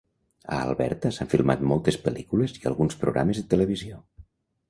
A Alberta s'han filmat moltes pel·lícules i alguns programes de televisió.